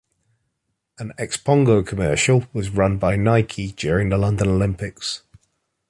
An Xpogo commercial was run by Nike during the London Olympics.